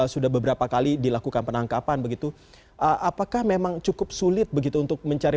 sudah beberapa kali dilakukan penangkapan begitu apakah memang cukup sulit begitu untuk mencari